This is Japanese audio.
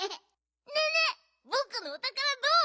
ねえねえぼくのおたからどう？